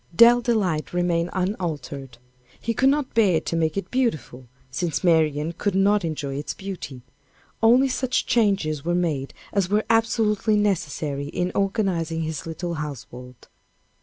Dell Delight remained unaltered. He could not bear to make it beautiful, since Marian could not enjoy its beauty. Only such changes were made as were absolutely necessary in organizing his little household.